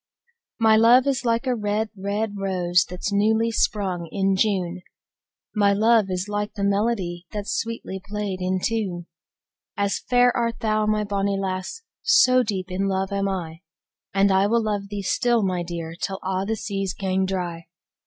My luve is like a red, red rose, That's newly sprung in June: My luve is like the melodic, That 's sweetly play'd in tune. As fair art thou, my bonie lass, So deep in luve am I, And I will luve thee still, my dear, Till a' the seas gang dry.